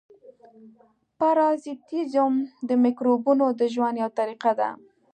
پرازیتېزم د مکروبونو د ژوند یوه طریقه ده.